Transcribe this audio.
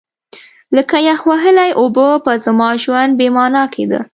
لکه یخ وهلې اوبه به زما ژوند بې مانا کېده.